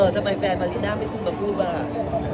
ทำไมแฟนมลินะไม่คุดมากลูกบ้าง